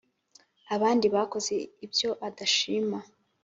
abandi bakoze ibyo adashima